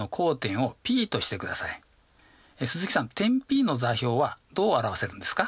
鈴木さん点Ｐの座標はどう表せるんですか？